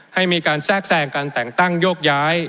ให้มีการแทรกแทรงการแต่งตั้งโยกย้าย